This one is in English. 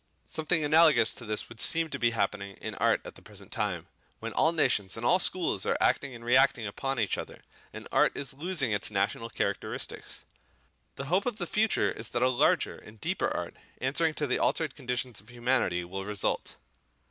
Something analogous to this would seem to be happening in art at the present time, when all nations and all schools are acting and reacting upon each other, and art is losing its national characteristics. The hope of the future is that a larger and deeper art, answering to the altered conditions of humanity, will result.